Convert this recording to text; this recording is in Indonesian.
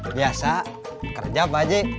biasa kerja pak ji